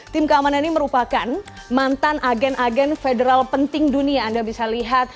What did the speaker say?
tim keamanan ini merupakan mantan agen agen federal penting dunia anda bisa lihat